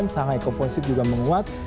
sangai komponsip juga menguat